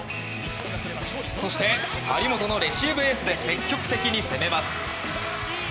そして、張本のレシーブエースで積極的に攻めます。